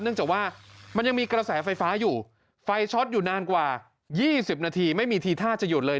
จากว่ามันยังมีกระแสไฟฟ้าอยู่ไฟช็อตอยู่นานกว่า๒๐นาทีไม่มีทีท่าจะหยุดเลย